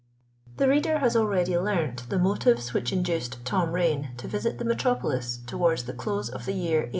The reader has already learnt the motives which induced Tom Rain to visit the metropolis towards the close of the year 1826.